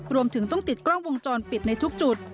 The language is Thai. รวมถึงต้องติดกล้องวงจรปิดในทุกจุด